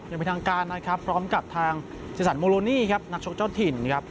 ยังเป็นทางการนะครับพร้อมกับทางสถิติฯนกชกเจ้าถิ่นนะครับ